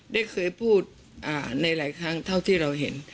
ได้เคยพูดในหลายครั้งเท่าที่เราเห็น